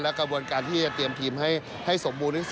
และการพร้อมทีมให้สมมุทร